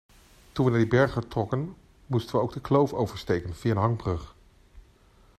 Toen we naar die berghut trokken moesten we ook die kloof oversteken via een hangbrug.